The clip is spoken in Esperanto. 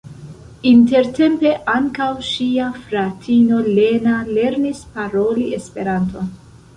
Intertempe ankaŭ ŝia fratino Lena lernis paroli Esperanton.